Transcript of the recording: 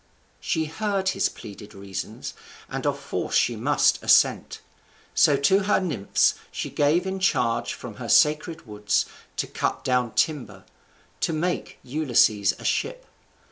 She heard his pleaded reasons, and of force she must assent; so to her nymphs she gave in charge from her sacred woods to cut down timber, to make Ulysses a ship.